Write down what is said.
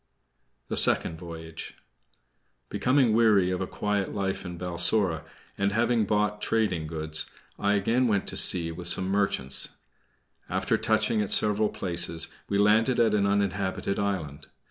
THE SECOND VOYAGE Becoming weary of a quiet life in Balsora, and having bought trading goods, I again went to sea with some merchants. After touching at several places, we landed at an uninhabited island.